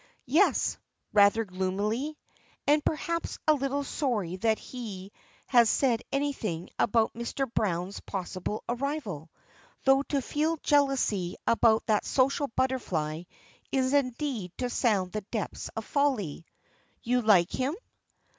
"Yes," rather gloomily, and perhaps a little sorry that he has said anything about Mr. Browne's possible arrival though to feel jealousy about that social butterfly is indeed to sound the depths of folly; "you like him?"